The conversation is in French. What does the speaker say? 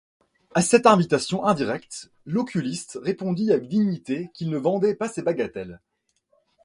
À cette invitation indirecte, l’oculiste répondit avec dignité qu'il ne vendait pas ces bagatelles.